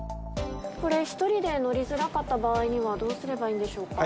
これ、一人で乗りづらかった場合には、どうすればいいんでしょうか。